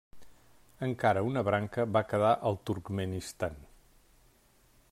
Encara una branca va quedar al Turkmenistan.